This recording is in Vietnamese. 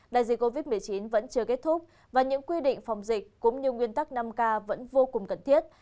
đại dịch covid một mươi chín vẫn chưa kết thúc và những quy định phòng dịch cũng như nguyên tắc năm k vẫn vô cùng cần thiết